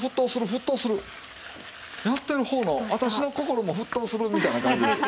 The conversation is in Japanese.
やってる方の私の心も沸騰するみたいな感じですよ。